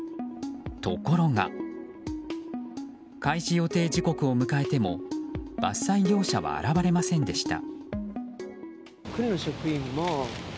ところが開始予定時刻を迎えても伐採業者は現われませんでした。